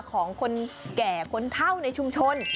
ของคนแก่คนเท่าในชุมชน